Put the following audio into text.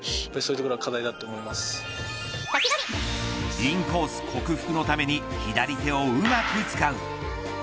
インコース克服のために左手をうまく使う。